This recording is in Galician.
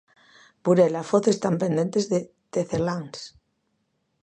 Burela e Foz están pendentes de Teceláns.